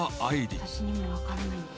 私にもわからないんです。